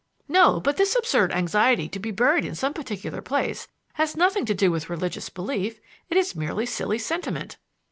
"No; but this absurd anxiety to be buried in some particular place has nothing to do with religious belief; it is merely silly sentiment."